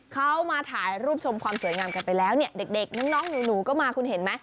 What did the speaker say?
เขามาถ่ายรูปชมความสวยงามกันไปแล้วเนี่ยเด็กน้องหนูก็มาคุณเห็นไหม